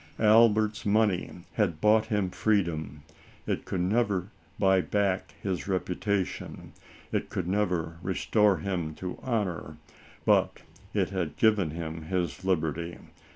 Albert's money had bought him freedom. It could never buy back his reputation, it could never restore him to honor, but it had given him his liberty.